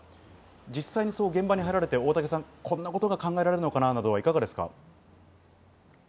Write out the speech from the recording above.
実際に現場に入られて、大竹さん、こんなことが考えられるかな、などはいかがですか？